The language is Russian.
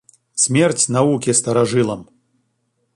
Смерть науки старожилам!